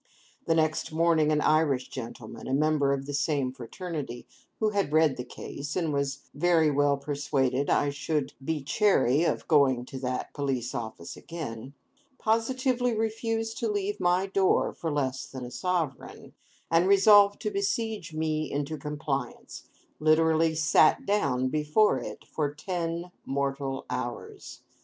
And next morning an Irish gentleman, a member of the same fraternity, who had read the case, and was very well persuaded I should be chary of going to that Police Office again, positively refused to leave my door for less than a sovereign, and, resolved to besiege me into compliance, literally 'sat down' before it for ten mortal hours.